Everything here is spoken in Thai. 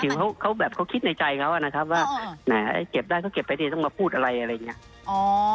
ถึงเขาแบบเขาคิดในใจเขานะครับว่าแหมเก็บได้เขาเก็บไปสิต้องมาพูดอะไรอะไรอย่างนี้